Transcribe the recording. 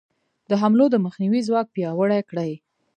د حملو د مخنیوي ځواک پیاوړی کړي.